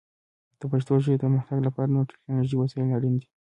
د پښتو ژبې پرمختګ لپاره نور ټکنالوژیکي وسایل اړین دي.